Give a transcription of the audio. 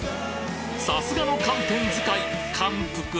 さすがの寒天使い